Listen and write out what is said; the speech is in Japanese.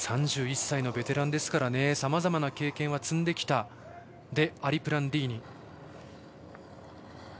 ３１歳のベテランですからさまざまな経験は積んできたデアリプランディーニ。